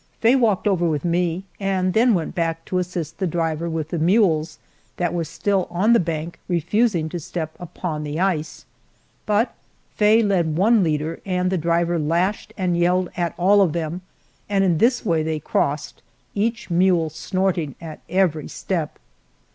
Faye walked over with me, and then went back to assist the driver with the mules that were still on the bank refusing to step upon the ice. But Faye led one leader, and the driver lashed and yelled at all of them, and in this way they crossed, each mule snorting at every step.